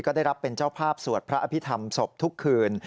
ก็ได้รับเป็นเจ้าภาพสวดพระอภิษฐรรมศพทุกคืน